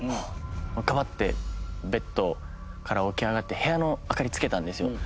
ガバッ！ってベッドから起き上がって部屋の明かりつけたんですよ。